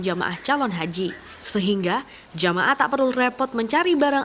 jamaah calon haji sehingga jamaah tak perlu repot mencari barang